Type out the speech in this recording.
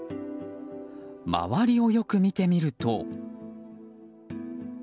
周りをよく見てみると。